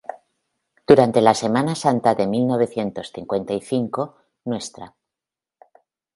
Durante la Semana Santa de mil novecientos cincuenta y cinco, Ntra.